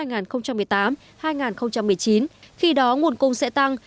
nhiệm vụ cà phê hai nghìn một mươi tám hai nghìn một mươi chín khi đó nguồn cung sẽ tăng